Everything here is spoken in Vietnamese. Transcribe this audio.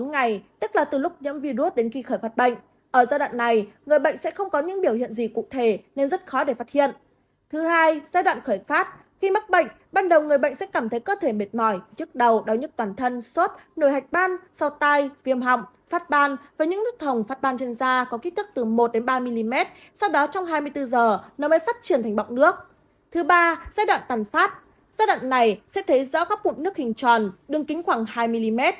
giai đoạn tàn phát giai đoạn này sẽ thấy rõ các bụng nước hình tròn đường kính khoảng hai mm